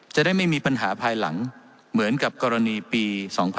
ไม่มีปัญหาภายหลังเหมือนกับกรณีปี๒๕๖๒